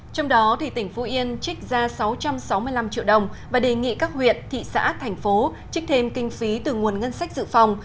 trong đó tỉnh phú yên trích ra sáu trăm sáu mươi năm triệu đồng và đề nghị các huyện thị xã thành phố trích thêm kinh phí từ nguồn ngân sách dự phòng